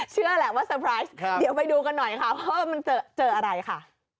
เชื่อแหละว่าเซอร์ไพรส์เดี๋ยวไปดูกันหน่อยค่ะว่ามันเจออะไรค่ะ